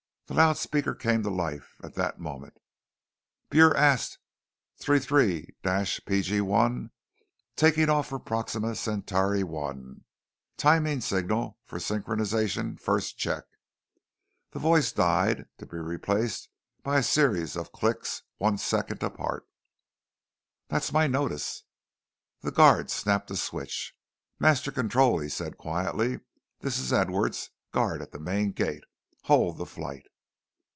The loudspeaker came to life at that moment. "BurAst 33 P.G.1 taking off for Proxima Centauri I. Timing signal for synchronization first check ..." the voice died to be replaced by a series of clicks, one second apart. "That's my notice " The guard snapped a switch. "Master Control," he said quietly. "This is Edwards, guard at the main gate, hold the flight."